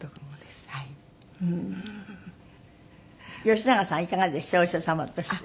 吉永さんはいかがでした？